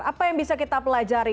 apa yang bisa kita pelajari